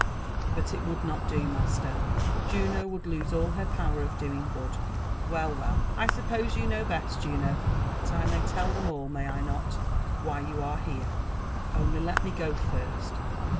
But it would not do, master ; Juno would lose all her power of doing good." *^Well, well! I suppose you know best, Juno. But I maytdl them ail, may I not, why you are here? Onty let me go First.